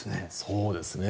そうですね。